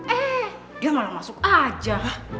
eh dia malah masuk aja